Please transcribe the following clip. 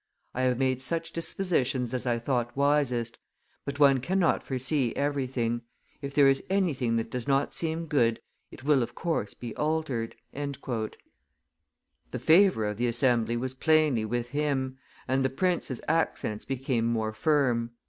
I have made such dispositions as I thought wisest; but one cannot foresee everything; if there is anything that does not seem good, it will of course be altered." The favor of the assembly was plainly with him, and the prince's accents became more firm.